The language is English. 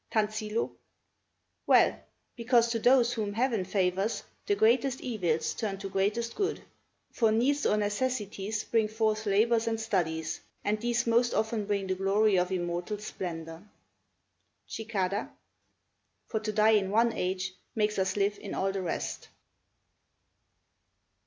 Tansillo Well; because to those whom Heaven favors, the greatest evils turn to greatest good; for needs or necessities bring forth labors and studies, and these most often bring the glory of immortal splendor. Cicada For to die in one age makes us live in all the rest.